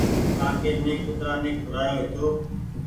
ڪآ ڪي مينٚ ڪترآ ني کورآيو هيتو